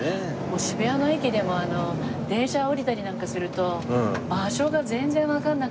もう渋谷の駅でも電車降りたりなんかすると場所が全然わからなくなっちゃってて。